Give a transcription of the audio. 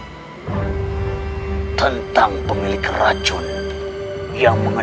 mereka adalah berarti dia adalah anak kembali dari surat yudis centre